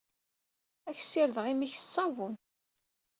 Ad k-ssirdeɣ imi-k s ṣavun!